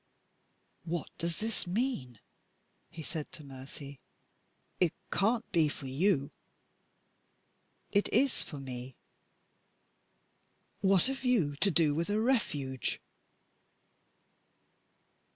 "What does this mean?" he said to Mercy. "It can't be for you?" "It is for me." "What have You to do with a Refuge?"